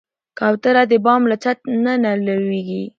کوتره د بام له چت نه نه لوېږي.